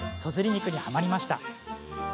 肉に、はまりました。